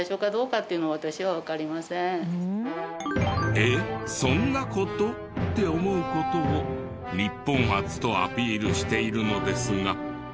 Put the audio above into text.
えっそんな事？って思う事を日本初とアピールしているのですが。